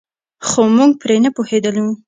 خو موږ پرې نه پوهېدلو.